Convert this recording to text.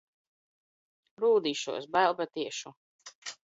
Rūdīšos. Bail, bet iešu.